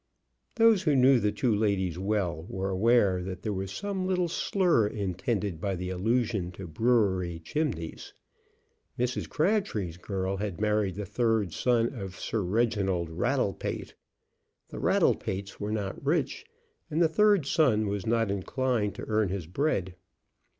Those who knew the two ladies well were aware that there was some little slur intended by the allusion to brewery chimneys. Mrs. Crabtree's girl had married the third son of Sir Reginald Rattlepate. The Rattlepates were not rich, and the third son was not inclined to earn his bread.